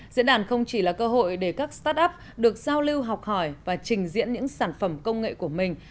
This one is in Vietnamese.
diễn đàn không chỉ là cơ hội để các start up được giao lưu học hỏi và trình diễn những sản phẩm công nghệ của mình